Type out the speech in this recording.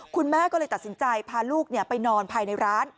คุณแม่ก็เลยตัดสินใจพาลูกไปนอนภายในร้าน